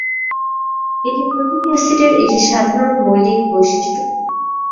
এটি প্রতিটি অ্যাসিডের একটি সাধারণ মৌলিক বৈশিষ্ট্য।